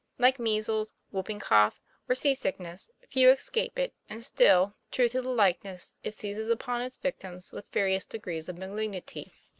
Like measles, whooping cough, or sea sickness, few escape it and, still true to the likeness, it seizes upon its victim with various degrees of ma lignity.